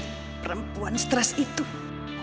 tapi kalau kau sudah mengatakan tiga